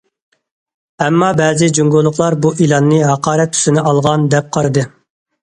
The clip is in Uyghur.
ئەمما بەزى جۇڭگولۇقلار بۇ ئېلاننى ھاقارەت تۈسىنى ئالغان دەپ قارىدى.